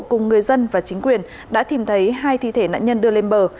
cùng người dân và chính quyền đã tìm thấy hai thi thể nạn nhân đưa lên bờ